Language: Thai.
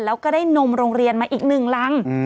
แล้วก็ได้นมโรงเรียนมาอีกหนึ่งรัง